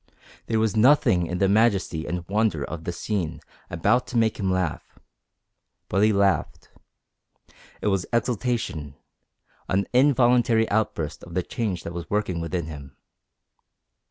There was nothing in the majesty and wonder of the scene about him to make him laugh, but he laughed. It was exultation, an involuntary outburst of the change that was working within him.